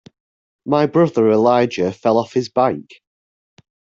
My brother Elijah fell off his bike.